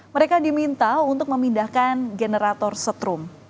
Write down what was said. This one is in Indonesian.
mereka diminta untuk memindahkan generator setrum